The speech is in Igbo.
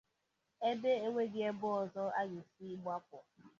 Ebe e nweghị ebe ọzọ a ga-esi gbapu